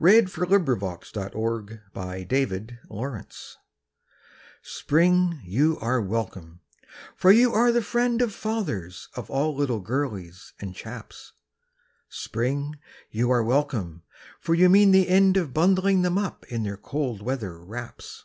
WELCOME TO SPRING Spring, you are welcome, for you are the friend of Fathers of all little girlies and chaps. Spring, you are welcome, for you mean the end of Bundling them up in their cold weather wraps.